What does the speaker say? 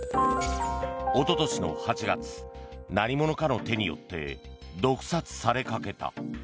一昨年の８月何者かの手によって毒殺されかけた。